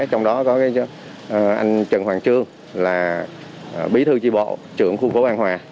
trong đó có anh trần hoàng trương là bí thư tri bộ trưởng khu phố an hòa